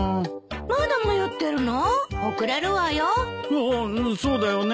ああそうだよね。